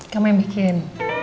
kamu yang bikin